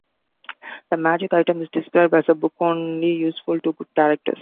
The magic item is described as a book only useful to good characters.